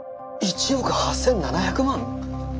１億８，７００万？